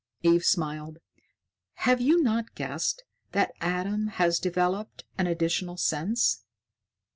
Eve smiled. "Have you not guessed that Adam has developed an additional sense?